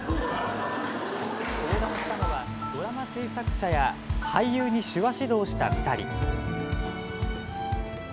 登壇したのは、ドラマ制作者や俳優に手話指導をした２人。